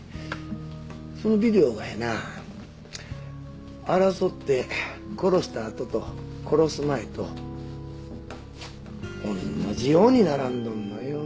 そのビデオがやな争って殺した後と殺す前と同じように並んどんのよ。